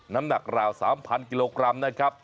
น้ำหนักราว๓๐๐กิโลกรัมนะครับ